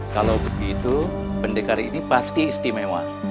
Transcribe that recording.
kalau begitu pendekar ini pasti istimewa